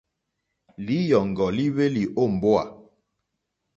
Lǐyɔ̀ŋgɔ́ líhwélì ó mbówà.